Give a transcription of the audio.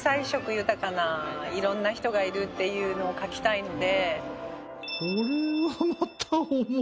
いろんな人がいるっていうのを描きたいので。